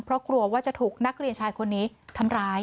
เพราะกลัวว่าจะถูกนักเรียนชายคนนี้ทำร้าย